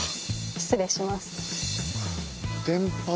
失礼します。